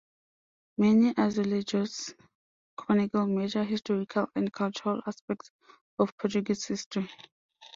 Many azulejos chronicle major historical and cultural aspects of Portuguese history.